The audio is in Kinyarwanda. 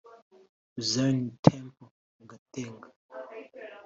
Zion Temple mu Gatenga